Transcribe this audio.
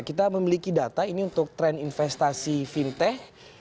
kita memiliki data ini untuk tren investasi fintech